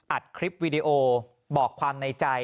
อัดคลิปวีดีโอบอกความในใจ